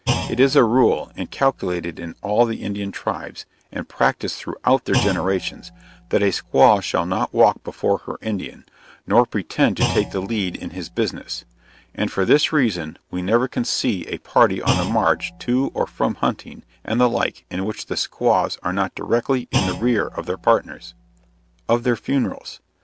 It is a rule, inculcated in all the Indian tribes, and practised throughout their generations, that a squaw shall not walk before her Indian, nor pretend to take the lead in his business. And for this reason we never can see a party on the march to or from hunting and the like, in which the squaws are not directly in the rear of their partners. OF THEIR FUNERALS.